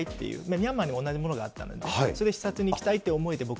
ミャンマーに同じものがあったのでそれ、視察に行きたいって思い